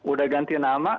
udah ganti nama